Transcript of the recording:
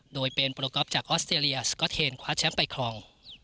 โดยเป็นโปรกอล์จากออสเตรเลียสก๊อตเทนคว้าแชมป์ไปครอง